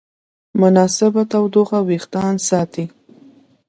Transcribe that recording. مناسب تودوخه وېښتيان ساتي.